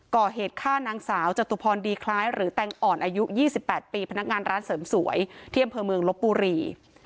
ก่อเหตุฆ่านางสาวจตุพรดีคล้ายหรือแตงอ่อนอายุ๒๘ปีพนักงานร้านเสริมสวยที่อำเภอเมืองลบบุรี